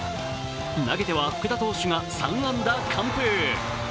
投げては福田投手が３安打完封。